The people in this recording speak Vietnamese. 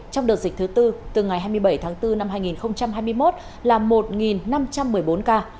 trong đợt dịch thứ tư từ ngày hai mươi bảy tháng bốn năm hai nghìn hai mươi một là một năm trăm một mươi bốn ca